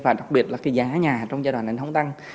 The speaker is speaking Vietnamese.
và đặc biệt là cái giá nhà trong giai đoạn này không tăng